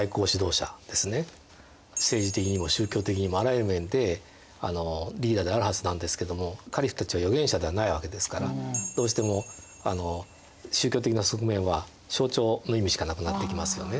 政治的にも宗教的にもあらゆる面でリーダーであるはずなんですけどもカリフたちは預言者ではないわけですからどうしても宗教的な側面は象徴の意味しかなくなってきますよね。